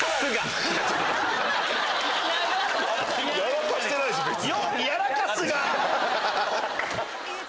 やらかしてないでしょ別に。